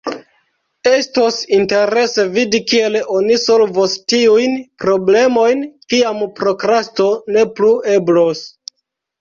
Estos interese vidi kiel oni solvos tiujn problemojn, kiam prokrasto ne plu eblos.